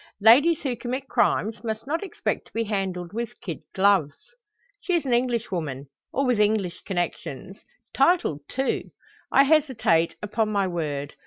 "Ladies who commit crimes must not expect to be handled with kid gloves." "She is an Englishwoman, or with English connections; titled, too. I hesitate, upon my word.